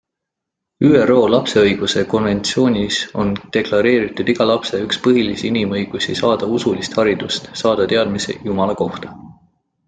ÜRO lapseõiguse konventsioonis on deklareeritud iga lapse üks põhilisi inimõigusi saada usulist haridust, saada teadmisi Jumala kohta.